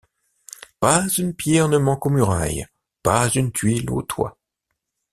Pas une pierre ne manque aux murailles, pas une tuile au toit.